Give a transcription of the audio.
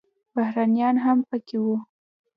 بهرنیان هم پکې وو.